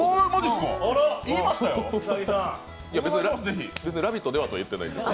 別に「ラヴィット！」ではとは言ってないです。